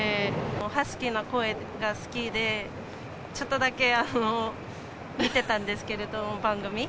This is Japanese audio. ハスキーな声が好きで、ちょっとだけ見てたんですけれども、番組。